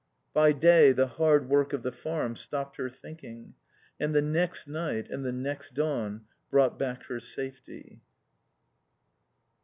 By day the hard work of the farm stopped her thinking. And the next night and the next dawn brought back her safety.